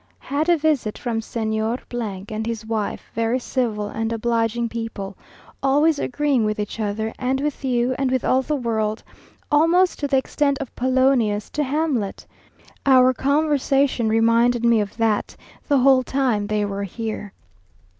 Had a visit from Señor and his wife, very civil and obliging people, always agreeing with each other, and with you, and with all the world, almost to the extent of Polonius to Hamlet. Our conversation reminded me of that the whole time they were here.